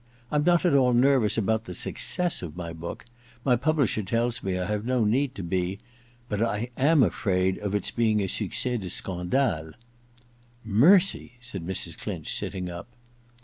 I'm not at all nervous about the success of my book — my publisher tells me I have no need to be — but I am afraid of its being a succis de scandale^ * Mercy !' said IMts. Clinch, sitting up.